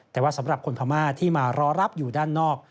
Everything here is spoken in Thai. แต่ว่าสำหรับคนพม่าที่มารอรับอยู่ด้านนอก